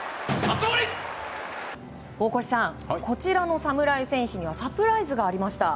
大越さん、こちらの侍選手にはサプライズがありました。